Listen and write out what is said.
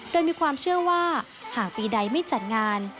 โดยมีความเชื่อว่าหากปีใดไม่จัดงาน